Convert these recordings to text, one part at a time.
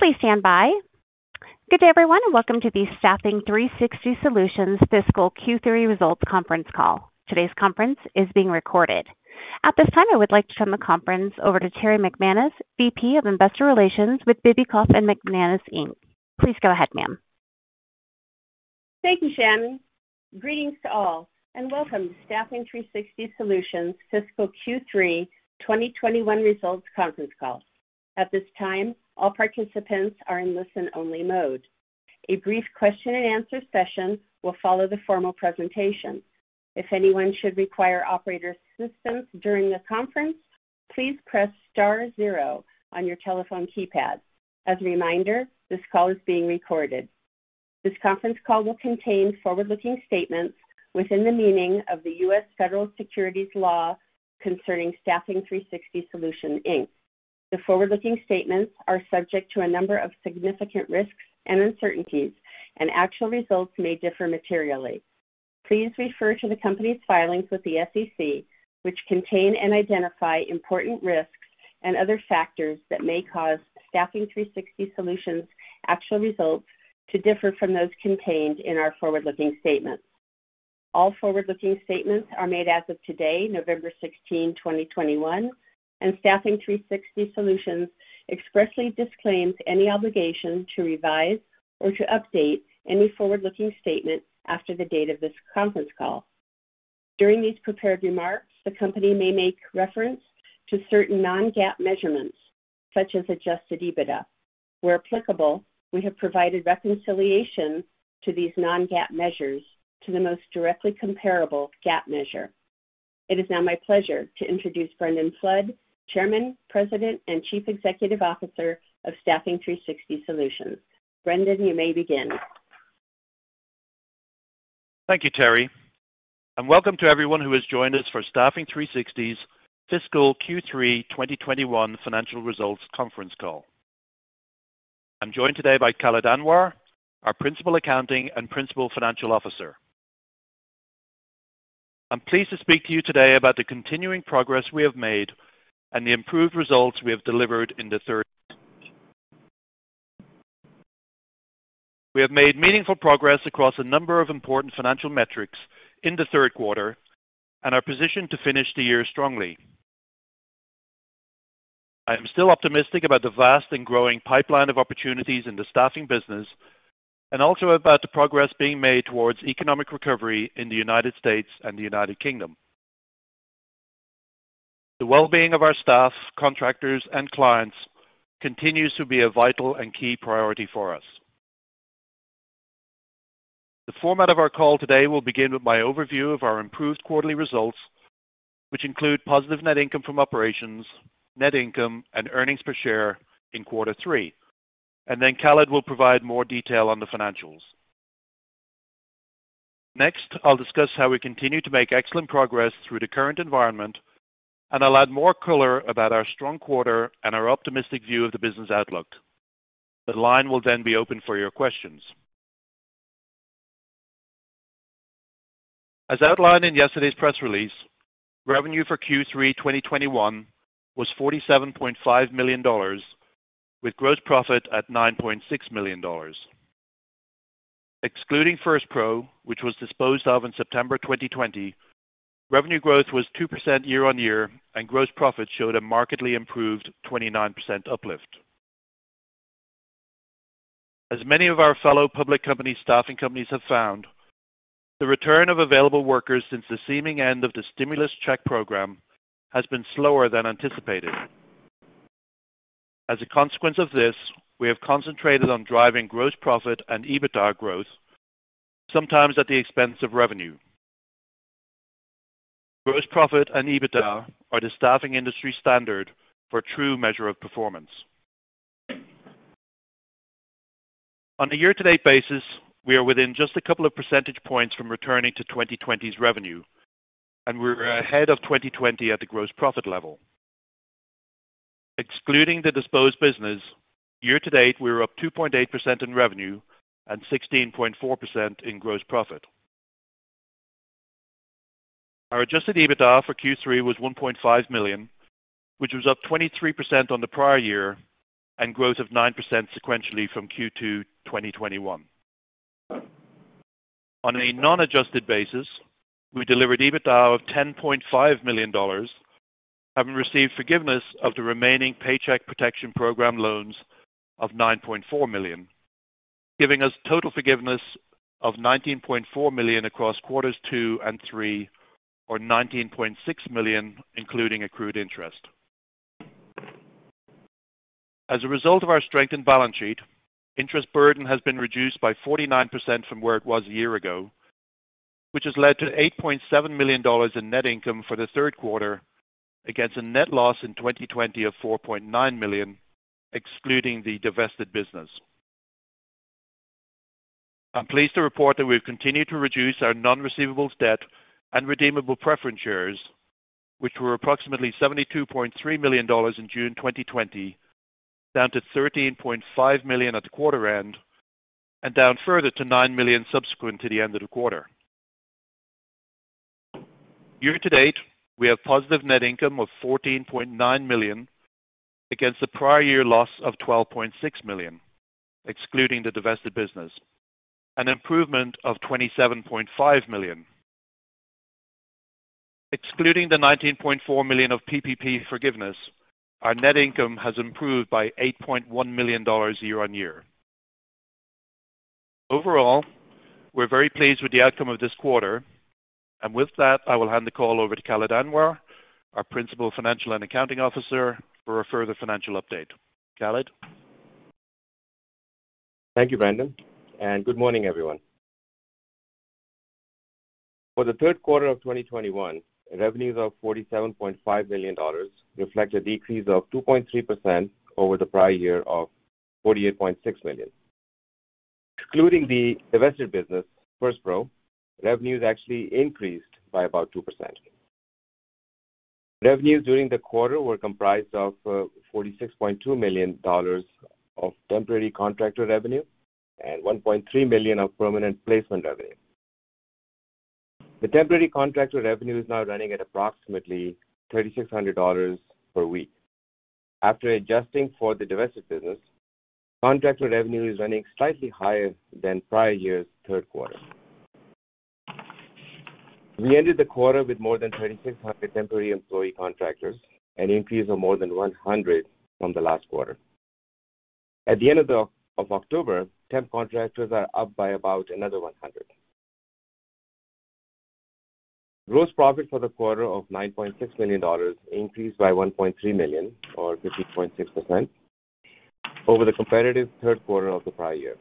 Good day, everyone, and welcome to the Staffing 360 Solutions Fiscal Q3 Results Conference Call. Today's conference is being recorded. At this time, I would like to turn the conference over to Terri MacInnis, VP of Investor Relations with Bibicoff + MacInnis, Inc. Please go ahead, ma'am. Thank you, Shannon. Greetings to all and welcome to Staffing 360 Solutions Fiscal Q3 2021 Results Conference Call. At this time, all participants are in listen-only mode. A brief question and answer session will follow the formal presentation. If anyone should require operator assistance during the conference, please press star zero on your telephone keypad. As a reminder, this call is being recorded. This conference call will contain forward-looking statements within the meaning of the U.S. Federal Securities law concerning Staffing 360 Solutions, Inc. The forward-looking statements are subject to a number of significant risks and uncertainties, and actual results may differ materially. Please refer to the company's filings with the SEC, which contain and identify important risks and other factors that may cause Staffing 360 Solutions' actual results to differ from those contained in our forward-looking statements. All forward-looking statements are made as of today, November 16, 2021, and Staffing 360 Solutions expressly disclaims any obligation to revise or to update any forward-looking statements after the date of this conference call. During these prepared remarks, the company may make reference to certain non-GAAP measurements, such as Adjusted EBITDA. Where applicable, we have provided reconciliation to these non-GAAP measures to the most directly comparable GAAP measure. It is now my pleasure to introduce Brendan Flood, Chairman, President, and Chief Executive Officer of Staffing 360 Solutions. Brendan, you may begin. Thank you, Terri, and welcome to everyone who has joined us for Staffing 360's Fiscal Q3 2021 Financial Results Conference Call. I'm joined today by Khalid Anwar, our Principal Accounting and Financial Officer. I'm pleased to speak to you today about the continuing progress we have made and the improved results we have delivered in the third quarter. We have made meaningful progress across a number of important financial metrics in the third quarter and are positioned to finish the year strongly. I am still optimistic about the vast and growing pipeline of opportunities in the staffing business and also about the progress being made towards economic recovery in the United States and the United Kingdom. The well-being of our staff, contractors, and clients continues to be a vital and key priority for us. The format of our call today will begin with my overview of our improved quarterly results, which include positive net income from operations, net income, and earnings per share in quarter three. Then Khalid will provide more detail on the financials. Next, I'll discuss how we continue to make excellent progress through the current environment, and I'll add more color about our strong quarter and our optimistic view of the business outlook. The line will then be open for your questions. As outlined in yesterday's press release, revenue for Q3 2021 was $47.5 million, with gross profit at $9.6 million. Excluding firstPRO, which was disposed of in September 2020, revenue growth was 2% year-on-year, and gross profit showed a markedly improved 29% uplift. As many of our fellow public company staffing companies have found, the return of available workers since the seeming end of the stimulus check program has been slower than anticipated. As a consequence of this, we have concentrated on driving gross profit and EBITDA growth, sometimes at the expense of revenue. Gross profit and EBITDA are the staffing industry standard for true measure of performance. On a year-to-date basis, we are within just a couple of percentage points from returning to 2020's revenue, and we're ahead of 2020 at the gross profit level. Excluding the disposed business, year-to-date, we're up 2.8% in revenue and 16.4% in gross profit. Our Adjusted EBITDA for Q3 was $1.5 million, which was up 23% on the prior year and growth of 9% sequentially from Q2 2021. On a non-adjusted basis, we delivered EBITDA of $10.5 million, having received forgiveness of the remaining Paycheck Protection Program loans of $9.4 million, giving us total forgiveness of $19.4 million across quarters two and three, or $19.6 million, including accrued interest. As a result of our strengthened balance sheet, interest burden has been reduced by 49% from where it was a year ago, which has led to $8.7 million in net income for the third quarter against a net loss in 2020 of $4.9 million, excluding the divested business. I'm pleased to report that we've continued to reduce our non-receivables debt and redeemable preference shares, which were approximately $72.3 million in June 2020, down to $13.5 million at the quarter end, and down further to $9 million subsequent to the end of the quarter. Year-to-date, we have positive net income of $14.9 million against the prior year loss of $12.6 million, excluding the divested business, an improvement of $27.5 million. Excluding the $19.4 million of PPP forgiveness, our net income has improved by $8.1 million year-over-year. Overall, we're very pleased with the outcome of this quarter, and with that, I will hand the call over to Khalid Anwar, our Principal Financial and Accounting Officer, for a further financial update. Khalid. Thank you, Brendan, and good morning, everyone. For the third quarter of 2021, revenues of $47.5 million reflect a decrease of 2.3% over the prior year of $48.6 million. Excluding the divested business, firstPRO, revenues actually increased by about 2%. Revenues during the quarter were comprised of $46.2 million of temporary contractor revenue and $1.3 million of permanent placement revenue. The temporary contractor revenue is now running at approximately $3,600 per week. After adjusting for the divested business, contractor revenue is running slightly higher than prior year's third quarter. We ended the quarter with more than 3,600 temporary employee contractors, an increase of more than 100 from the last quarter. At the end of October, temp contractors are up by about another 100. Gross profit for the quarter of $9.6 million increased by $1.3 million or 50.6% over the comparable third quarter of the prior year.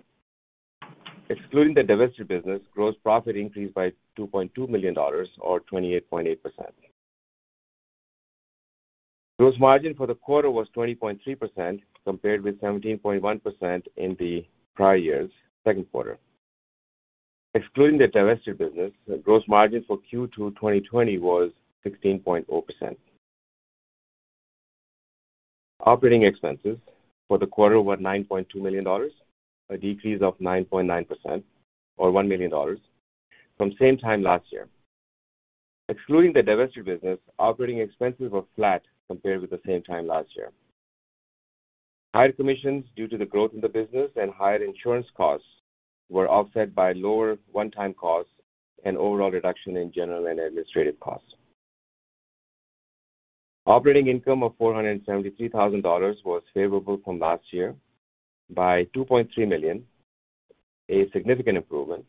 Excluding the divested business, gross profit increased by $2.2 million or 28.8%. Gross margin for the quarter was 20.3% compared with 17.1% in the prior year's second quarter. Excluding the divested business, the gross margin for Q2 2020 was 16.0%. Operating expenses for the quarter were $9.2 million, a decrease of 9.9% or $1 million from the same time last year. Excluding the divested business, operating expenses were flat compared with the same time last year. Higher commissions due to the growth in the business and higher insurance costs were offset by lower one-time costs and overall reduction in general and administrative costs. Operating income of $473,000 was favorable from last year by $2.3 million, a significant improvement.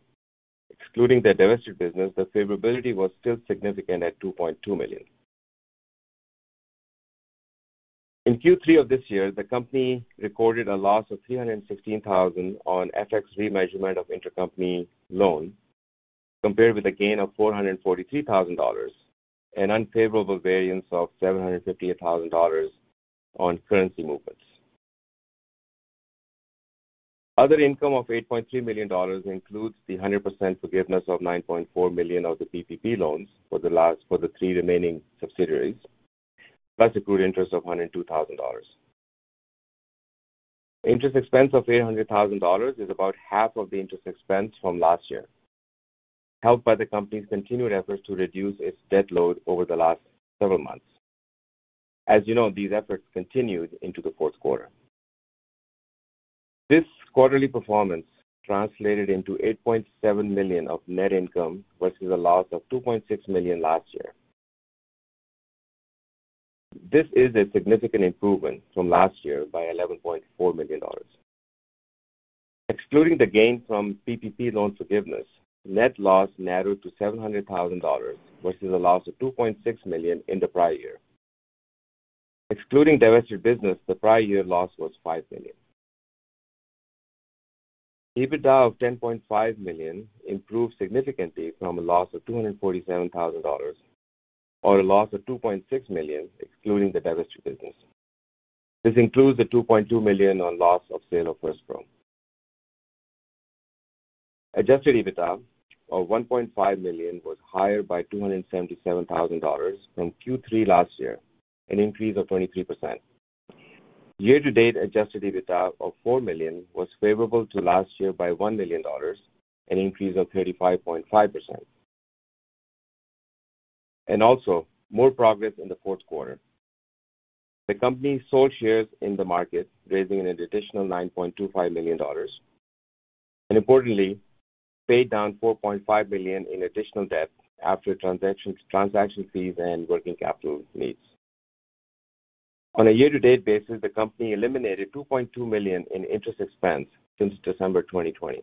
Excluding the divested business, the favorability was still significant at $2.2 million. In Q3 of this year, the company recorded a loss of $316,000 on FX remeasurement of intercompany loan compared with a gain of $443,000, an unfavorable variance of $758,000 on currency movements. Other income of $8.3 million includes the 100% forgiveness of $9.4 million of the PPP loans for the three remaining subsidiaries, plus accrued interest of $102,000. Interest expense of $800,000 is about half of the interest expense from last year, helped by the company's continued efforts to reduce its debt load over the last several months. As you know, these efforts continued into the fourth quarter. This quarterly performance translated into $8.7 million of net income versus a loss of $2.6 million last year. This is a significant improvement from last year by $11.4 million. Excluding the gain from PPP loan forgiveness, net loss narrowed to $700,000 versus a loss of $2.6 million in the prior year. Excluding divested business, the prior year loss was $5 million. EBITDA of $10.5 million improved significantly from a loss of $247,000 or a loss of $2.6 million excluding the divested business. This includes the $2.2 million on loss of sale of firstPRO. Adjusted EBITDA of $1.5 million was higher by $277,000 from Q3 last year, an increase of 23%. Year-to-date, Adjusted EBITDA of $4 million was favorable to last year by $1 million, an increase of 35.5%. Also more progress in the fourth quarter. The company sold shares in the market, raising an additional $9.25 million, and importantly, paid down $4.5 million in additional debt after transactions, transaction fees, and working capital needs. On a year-to-date basis, the company eliminated $2.2 million in interest expense since December 2020,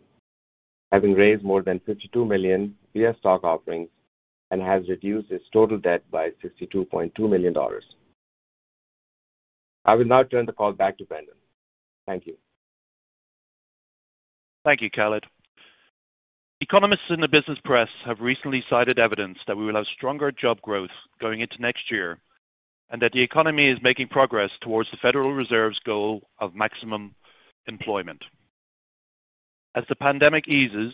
having raised more than $52 million via stock offerings and has reduced its total debt by $62.2 million. I will now turn the call back to Brendan. Thank you. Thank you, Khalid. Economists in the business press have recently cited evidence that we will have stronger job growth going into next year and that the economy is making progress towards the Federal Reserve's goal of maximum employment. As the pandemic eases,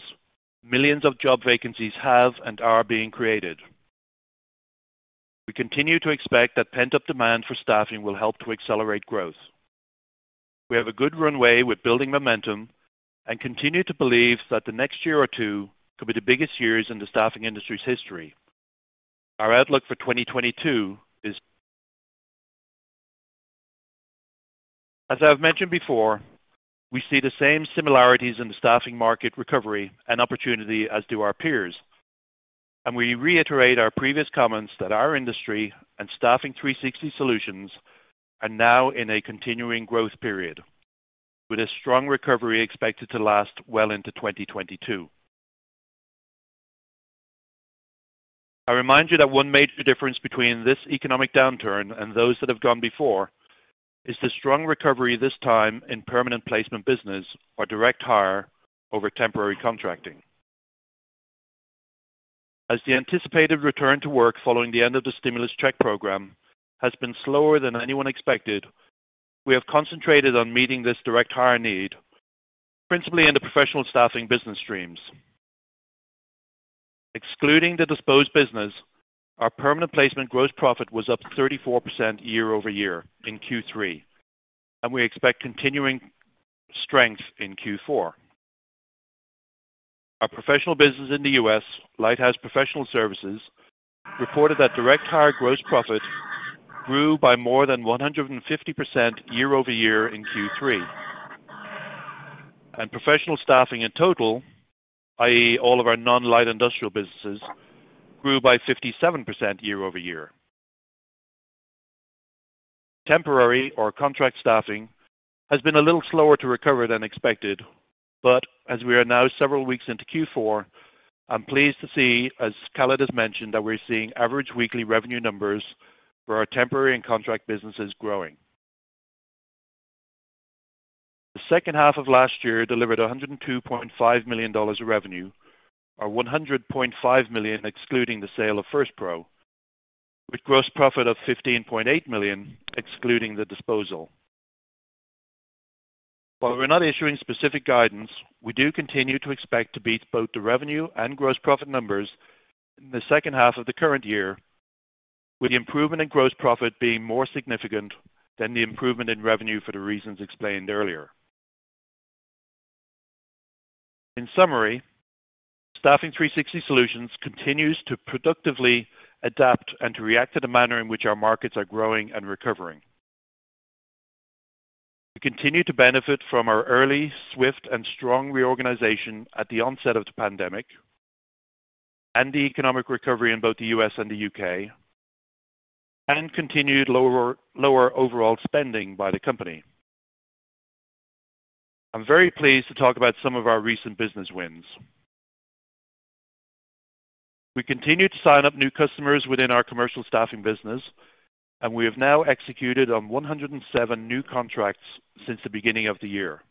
millions of job vacancies have and are being created. We continue to expect that pent-up demand for staffing will help to accelerate growth. We have a good runway with building momentum and continue to believe that the next year or two could be the biggest years in the staffing industry's history. Our outlook for 2022 is. As I've mentioned before, we see the same similarities in the staffing market recovery and opportunity as do our peers, and we reiterate our previous comments that our industry and Staffing 360 Solutions are now in a continuing growth period, with a strong recovery expected to last well into 2022. I remind you that one major difference between this economic downturn and those that have gone before is the strong recovery this time in permanent placement business or direct hire over temporary contracting. As the anticipated return to work following the end of the stimulus check program has been slower than anyone expected, we have concentrated on meeting this direct hire need, principally in the professional staffing business streams. Excluding the disposed business, our permanent placement gross profit was up 34% year-over-year in Q3, and we expect continuing strength in Q4. Our professional business in the U.S., Lighthouse Professional Services, reported that direct hire gross profit grew by more than 150% year-over-year in Q3. Professional staffing in total, i.e. all of our non-light industrial businesses, grew by 57% year-over-year. Temporary or contract staffing has been a little slower to recover than expected, but as we are now several weeks into Q4, I'm pleased to see, as Khalid has mentioned, that we're seeing average weekly revenue numbers for our temporary and contract businesses growing. The second half of last year delivered $102.5 million of revenue, or $100.5 million excluding the sale of firstPRO, with gross profit of $15.8 million excluding the disposal. While we're not issuing specific guidance, we do continue to expect to beat both the revenue and gross profit numbers in the second half of the current year, with the improvement in gross profit being more significant than the improvement in revenue for the reasons explained earlier. In summary, Staffing 360 Solutions continues to productively adapt and to react to the manner in which our markets are growing and recovering. We continue to benefit from our early, swift, and strong reorganization at the onset of the pandemic and the economic recovery in both the U.S. and the U.K., and continued lower overall spending by the company. I'm very pleased to talk about some of our recent business wins. We continue to sign up new customers within our commercial staffing business, and we have now executed on 107 new contracts since the beginning of the year.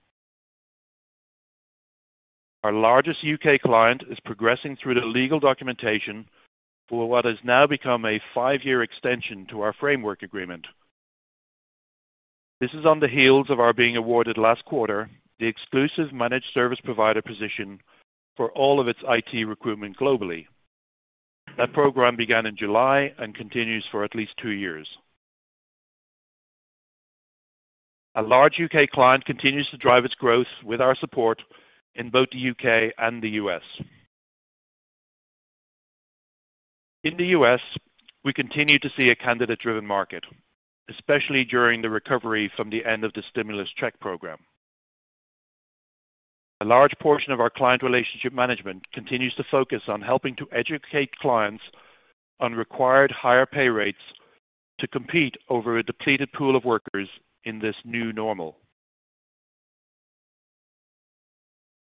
Our largest U.K. client is progressing through the legal documentation for what has now become a five-year extension to our framework agreement. This is on the heels of our being awarded last quarter the exclusive managed service provider position for all of its IT recruitment globally. That program began in July and continues for at least two years. A large U.K. client continues to drive its growth with our support in both the U.K. and the U.S. In the U.S., we continue to see a candidate-driven market, especially during the recovery from the end of the stimulus check program. A large portion of our client relationship management continues to focus on helping to educate clients on required higher pay rates to compete over a depleted pool of workers in this new normal.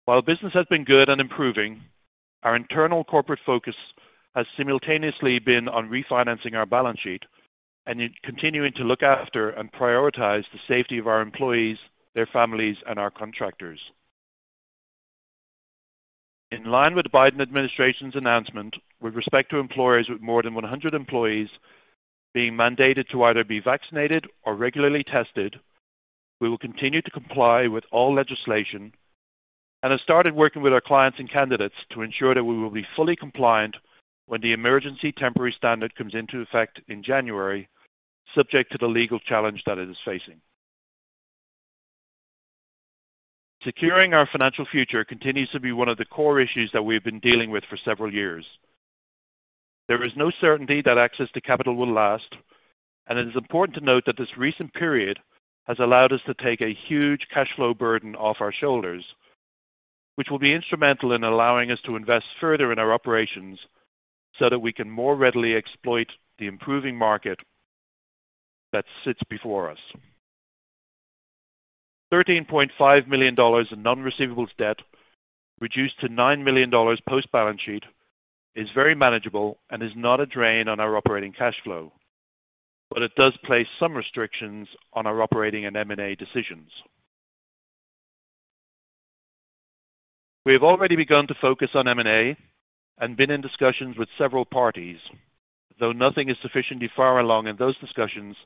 While business has been good and improving, our internal corporate focus has simultaneously been on refinancing our balance sheet and continuing to look after and prioritize the safety of our employees, their families, and our contractors. In line with the Biden Administration's announcement with respect to employers with more than 100 employees being mandated to either be vaccinated or regularly tested, we will continue to comply with all legislation and have started working with our clients and candidates to ensure that we will be fully compliant when the Emergency Temporary Standard comes into effect in January, subject to the legal challenge that it is facing. Securing our financial future continues to be one of the core issues that we've been dealing with for several years. There is no certainty that access to capital will last, and it is important to note that this recent period has allowed us to take a huge cash flow burden off our shoulders, which will be instrumental in allowing us to invest further in our operations so that we can more readily exploit the improving market that sits before us. $13.5 million in non-receivables debt reduced to $9 million post-balance sheet is very manageable and is not a drain on our operating cash flow, but it does place some restrictions on our operating and M&A decisions. We have already begun to focus on M&A and been in discussions with several parties, though nothing is sufficiently far along in those discussions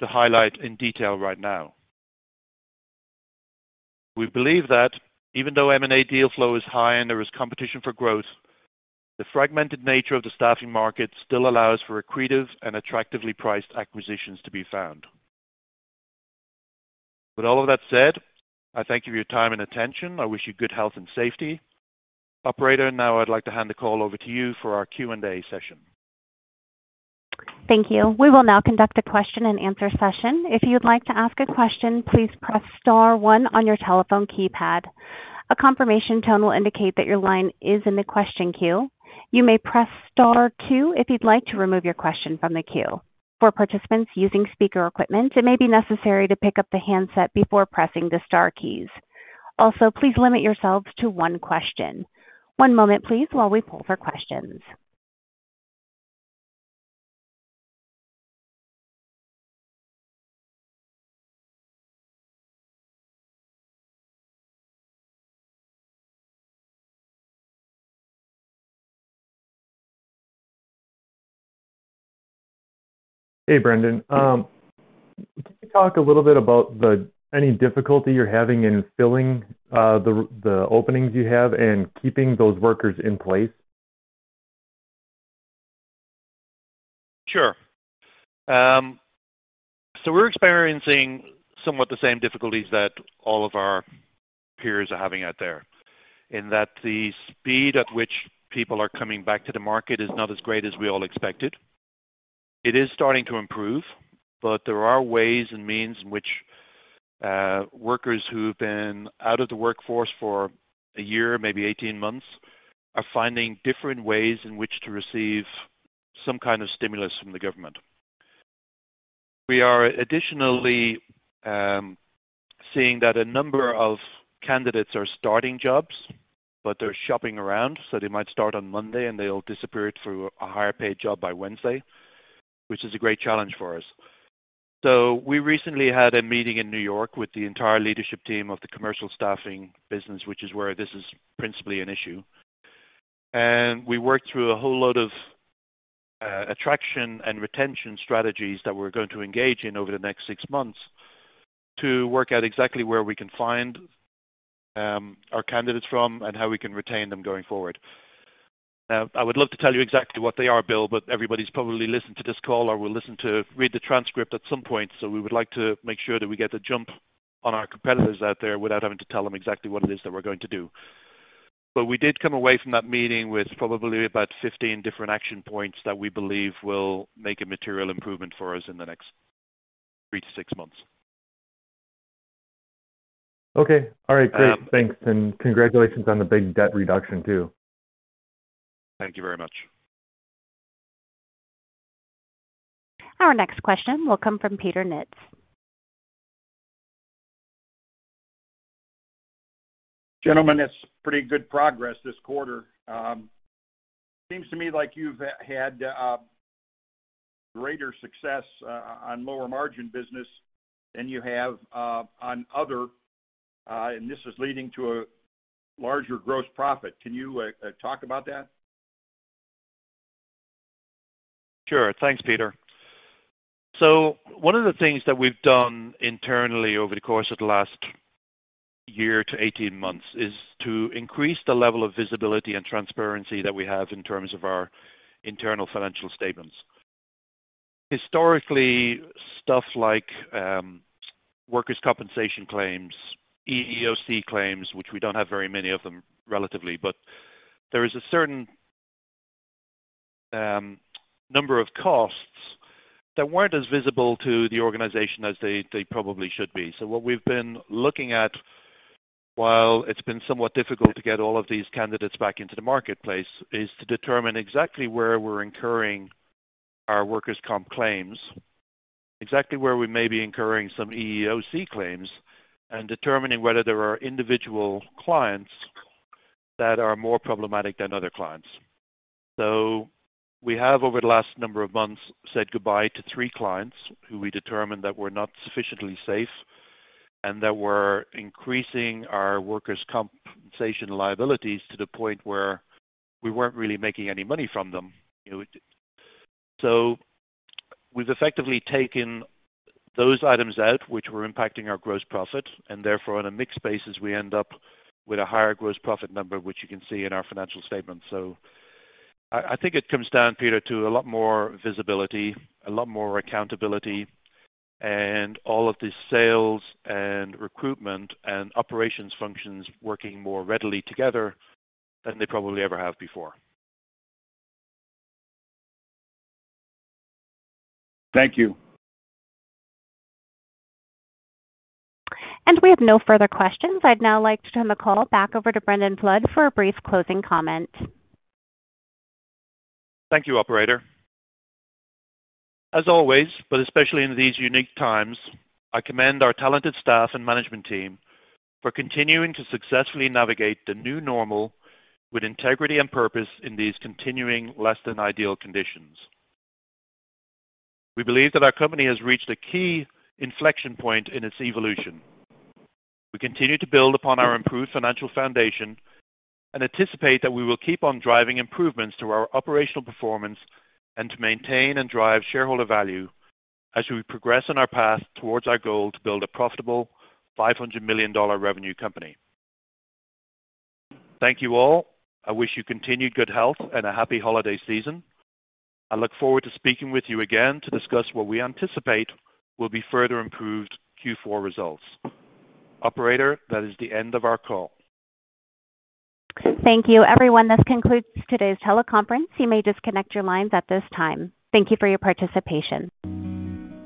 to highlight in detail right now. We believe that even though M&A deal flow is high and there is competition for growth, the fragmented nature of the staffing market still allows for accretive and attractively priced acquisitions to be found. With all of that said, I thank you for your time and attention. I wish you good health and safety. Operator, now I'd like to hand the call over to you for our Q&A session. Thank you. We will now conduct the question and answer session. If you'd like to ask a question, please press star one on your telephone keypad. A confirmation tone will indicate that your line is in the question queue. You may press star two if you'd like to remove your question from the queue. For participants using speaker equipment, it may be necessary to pick up the handset before pressing the star keys. Also, please limit yourselves to one question. One moment, please, while we pull for questions. Hey, Brendan. Can you talk a little bit about any difficulty you're having in filling the openings you have and keeping those workers in place? Sure. We're experiencing somewhat the same difficulties that all of our peers are having out there in that the speed at which people are coming back to the market is not as great as we all expected. It is starting to improve, but there are ways and means in which workers who've been out of the workforce for a year, maybe 18 months, are finding different ways in which to receive some kind of stimulus from the government. We are additionally seeing that a number of candidates are starting jobs, but they're shopping around. They might start on Monday, and they'll disappear to a higher paid job by Wednesday, which is a great challenge for us. We recently had a meeting in New York with the entire leadership team of the commercial staffing business, which is where this is principally an issue. We worked through a whole load of attraction and retention strategies that we're going to engage in over the next six months to work out exactly where we can find our candidates from and how we can retain them going forward. Now, I would love to tell you exactly what they are, Bill, but everybody's probably listened to this call or will read the transcript at some point. We would like to make sure that we get the jump on our competitors out there without having to tell them exactly what it is that we're going to do. We did come away from that meeting with probably about 15 different action points that we believe will make a material improvement for us in the next three to six months. Okay. All right. Yeah. Great. Thanks. Congratulations on the big debt reduction too. Thank you very much. Our next question will come from Peter Nitz. Gentlemen, it's pretty good progress this quarter. Seems to me like you've had greater success on lower margin business than you have on other and this is leading to a larger gross profit. Can you talk about that? Sure. Thanks, Peter. One of the things that we've done internally over the course of the last year to 18 months is to increase the level of visibility and transparency that we have in terms of our internal financial statements. Historically, stuff like workers' compensation claims, EEOC claims, which we don't have very many of them relatively, but there is a certain number of costs that weren't as visible to the organization as they probably should be. What we've been looking at, while it's been somewhat difficult to get all of these candidates back into the marketplace, is to determine exactly where we're incurring our workers' comp claims, exactly where we may be incurring some EEOC claims, and determining whether there are individual clients that are more problematic than other clients. We have, over the last number of months, said goodbye to three clients who we determined that were not sufficiently safe and that were increasing our workers' compensation liabilities to the point where we weren't really making any money from them. We've effectively taken those items out which were impacting our gross profit and therefore on a mix basis, we end up with a higher gross profit number, which you can see in our financial statement. I think it comes down, Peter, to a lot more visibility, a lot more accountability, and all of the sales and recruitment and operations functions working more readily together than they probably ever have before. Thank you. We have no further questions. I'd now like to turn the call back over to Brendan Flood for a brief closing comment. Thank you, operator. As always, but especially in these unique times, I commend our talented staff and management team for continuing to successfully navigate the new normal with integrity and purpose in these continuing less than ideal conditions. We believe that our company has reached a key inflection point in its evolution. We continue to build upon our improved financial foundation and anticipate that we will keep on driving improvements to our operational performance and to maintain and drive shareholder value as we progress on our path towards our goal to build a profitable $500 million revenue company. Thank you all. I wish you continued good health and a happy holiday season. I look forward to speaking with you again to discuss what we anticipate will be further improved Q4 results. Operator, that is the end of our call. Thank you, everyone. This concludes today's teleconference. You may disconnect your lines at this time. Thank you for your participation.